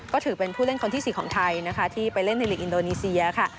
ก็ถือเป็นผู้เล่นคนที่๔ของไทยนะคะที่ไปเล่นในหลีกอินโดนีเซียค่ะ